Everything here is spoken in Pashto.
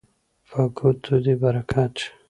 په ګوتو دې برکت شه